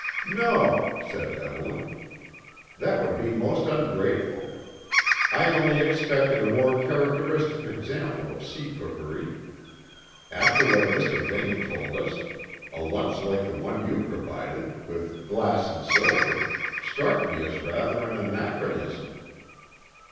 "No," said Evelyn; "that would be most ungrateful. I only expected a more characteristic example of sea cookery. After what Mr. Vane told us, a lunch like the one you provided, with glass and silver, struck me as rather an anachronism."